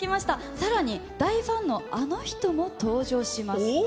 さらに、大ファンのあの人も登場します。